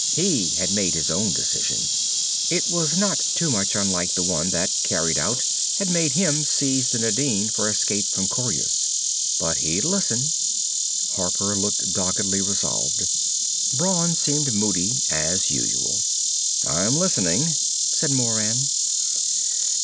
He had made his own decision. It was not too much unlike the one that, carried out, had made him seize the Nadine for escape from Coryus. But he'd listen. Harper looked doggedly resolved. Brawn seemed moody as usual. "I'm listening," said Moran.